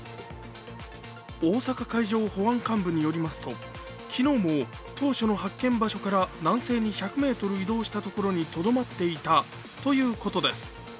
大阪海上保安部監部によりますと、昨日も当初の発見場所から南西に１００ｍ移動したところにとどまっていたということです。